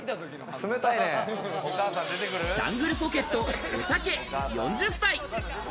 ジャングルポケット・おたけ４０歳。